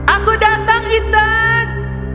aku datang ethan